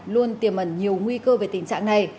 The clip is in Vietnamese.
luôn tiềm ẩn nhiều nguy cơ về tình trạng này